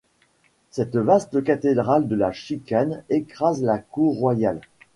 Cette vaste cathédrale de la chicane écrase la cour royale.